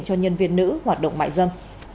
cho nhân viên nữ hoạt động mại dâm